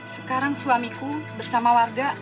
sekarang suamiku bersama warga